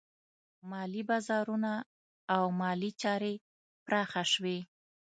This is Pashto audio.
مالي بازارونه او مالي چارې پراخه شوې.